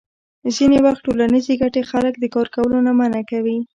ځینې وخت ټولنیزې ګټې خلک د کار کولو نه منع کوي.